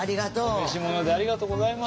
お召し物でありがとうございます。